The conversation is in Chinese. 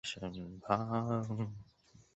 郑氏入宫年份不详。